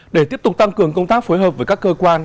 để tiếp tục tăng cường công tác phối hợp với các cơ quan